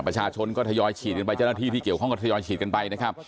ประชาชนก็ทยอยฉีดกันไปเจ้าหน้าที่ที่เกี่ยวข้องก็ทยอยฉีดกันไปนะครับ